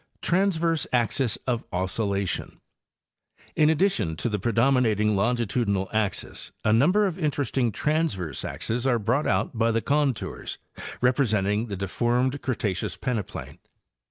Transverse Axes of Oscillation —In addition to the predominat ing longitudinal axes a number of interesting transverse axes are brought out by the contours representing the deformed Cre taceous peneplain?